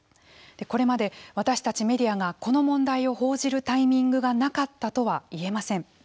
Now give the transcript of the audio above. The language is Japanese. これまで私たちメディアがこの問題を報じるタイミングがなかったとは言えません。